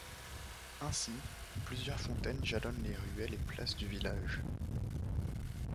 Ainsi, plusieurs fontaines jalonnent les ruelles et places du village.